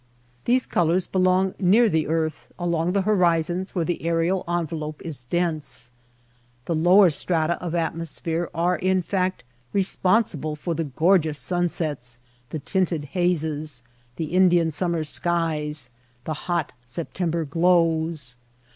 Those colors belong near the earth, along the horizons where the aerial envelope is dense. The lower strata of atmosphere are in DESERT SKY AND CLOUDS 99 fact responsible for the gorgeous sunsets, the tinted hazes, the Indian summer skies, the hot September glows.